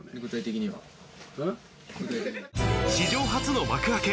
史上初の幕開け